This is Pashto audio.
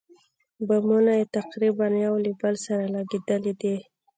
بامونه یې تقریباً یو له بل سره لګېدلي دي.